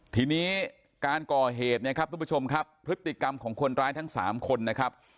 ทีนี้การก่อเหตุนะครับทุกผู้ชมครับพฤติกรรมของคนร้ายทั้ง๓คนนะครับ